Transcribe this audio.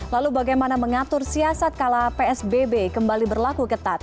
lalu bagaimana mengatur siasat kala psbb kembali berlaku ketat